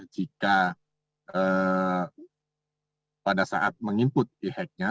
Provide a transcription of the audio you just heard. jika pada saat meng input e hack nya